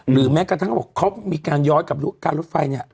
หรือแม้กระทั้งว่าเขามีการย้อยกับการรถไฟเนี่ย